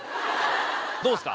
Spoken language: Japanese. どうっすか？